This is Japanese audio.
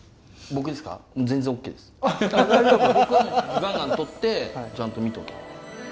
僕はガンガン撮ってちゃんと見とけ。